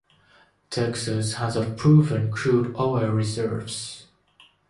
Texas has of proven crude oil reserves.